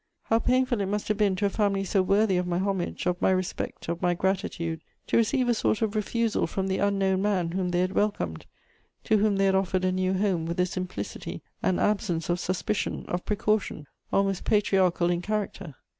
How painful it must have been to a family so worthy of my homage, of my respect, of my gratitude, to receive a sort of refusal from the unknown man whom they had welcomed, to whom they had offered a new home with a simplicity, an absence of suspicion, of precaution, almost patriarchal in character!